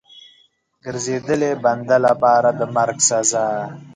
ګرځېدلي بنده لپاره د مرګ سزا.